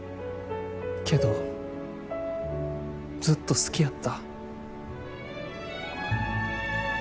けどずっと好きやった。